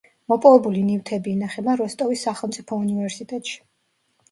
მოპოვებული ნივთები ინახება როსტოვის სახელმწიფო უნივერსიტეტში.